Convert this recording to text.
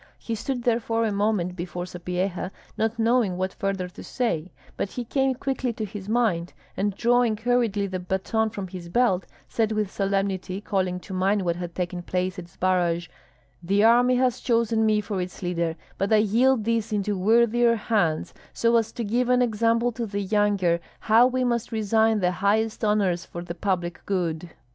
He stood therefore a moment before Sapyeha, not knowing what further to say; but he came quickly to his mind, and drawing hurriedly the baton from his belt, said with solemnity, calling to mind what had taken place at Zbaraj, "The army has chosen me for its leader, but I yield this into worthier hands, so as to give an example to the younger how we must resign the highest honors for the public good."